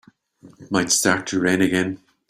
Might start to rain again.